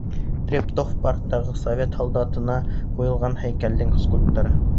Трептов-парктағы совет һалдатына ҡуйылған һәйкәлдең скульпторы.